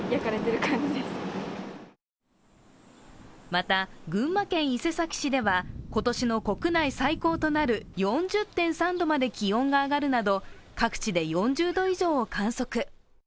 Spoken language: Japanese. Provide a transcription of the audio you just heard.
また群馬県伊勢崎市では今年の国内最高となる４０．３度まで気温が上がるなど、各地で４０度以上を観測。